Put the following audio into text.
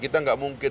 kita enggak mungkin